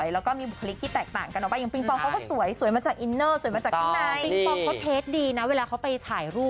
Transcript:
โหแต่กพี่แอนร์เลย